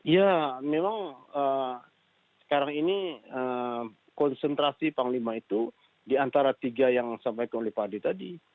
ya memang sekarang ini konsentrasi panglima itu diantara tiga yang disampaikan oleh pak adi tadi